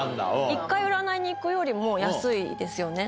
１回占いに行くよりも安いですよね。